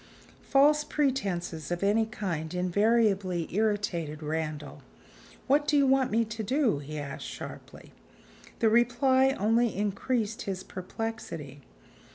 False pretenses of any kind invariably irritated Randal. "What do you want me to do?" he asked sharply. The reply only increased his perplexity.